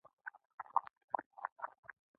یو ځل بیا یې راباندې غږ کړل.